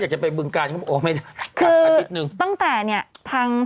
ใช่ค่ะคือตั้งแต่นี่ใช่ค่ะ